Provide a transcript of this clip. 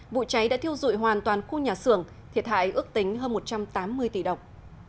vụ cháy đã thiêu dụi hoàn toàn khu nhà xưởng thiệt hại ước tính hơn một trăm tám mươi tỷ đồng